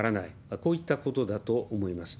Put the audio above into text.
こういったことだと思います。